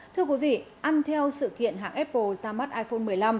thưa quý vị ăn theo sự kiện hãng apple ra mắt iphone một mươi năm